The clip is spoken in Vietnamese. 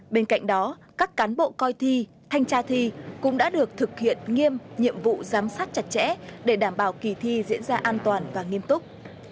bên cạnh đó các cán bộ coi thi thanh tra thi cũng đã được thực hiện nghiêm nhiệm vụ giám sát chặt chẽ để đảm bảo kỳ thi diễn ra an toàn và nghiêm túc